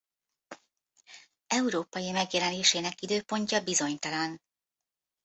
Európai megjelenésének időpontja bizonytalan.